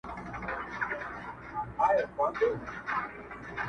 د لړم په څېر يې وار لکه مرگى وو-